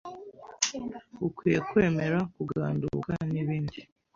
ukwiye kwemera kuganduka n’ibindi.